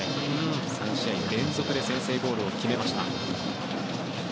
３試合連続で先制ゴールを決めました。